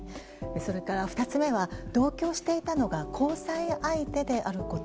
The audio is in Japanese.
それから２つ目は同居していたのが交際相手であること。